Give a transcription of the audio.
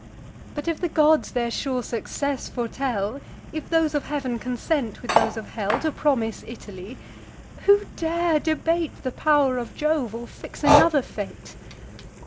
But, if the gods their sure success foretell; If those of heav'n consent with those of hell, To promise Italy; who dare debate The pow'r of Jove, or fix another fate?